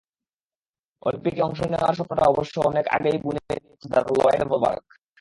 অলিম্পিকে অংশ নেওয়ার স্বপ্নটা অবশ্য অনেক আগেই বুনে দিয়েছেন দাদা লয়েড ভলবার্গ।